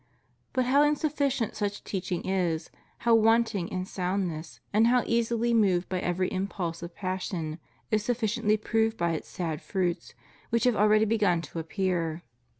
But how insufficient such teaching is, how want ing in soundness, and how easily moved by every impulse of passion, is sufficiently proved by its sad fruits, which have already begun to appear.